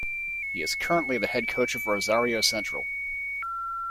He is currently the head coach of Rosario Central.